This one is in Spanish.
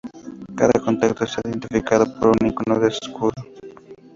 Cada contacto está identificado por un icono de escudo.